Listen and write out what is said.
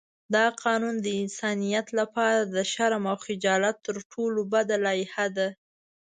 دا قانون د انسانیت لپاره د شرم او خجالت تر ټولو بده لایحه ده.